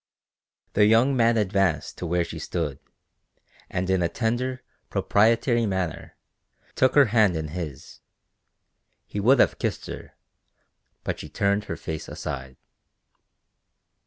The young man advanced to where she stood, and in a tender, proprietary manner, took her hand in his; he would have kissed her, but she turned her face aside.